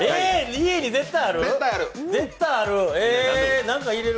家に絶対ある？